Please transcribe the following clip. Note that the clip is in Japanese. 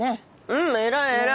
うん偉い偉い。